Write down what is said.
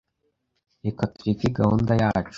Reka tureke gahunda yacu